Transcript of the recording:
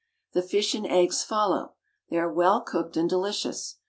The fish and eggs follow ; they are well cooked and delicious.